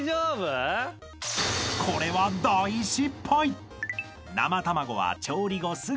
［これは大失敗！］